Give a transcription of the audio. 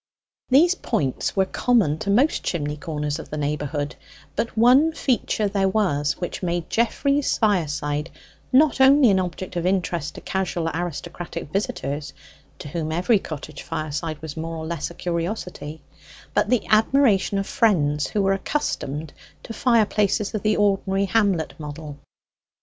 These points were common to most chimney corners of the neighbourhood; but one feature there was which made Geoffrey's fireside not only an object of interest to casual aristocratic visitors to whom every cottage fireside was more or less a curiosity but the admiration of friends who were accustomed to fireplaces of the ordinary hamlet model.